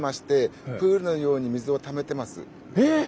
えっ！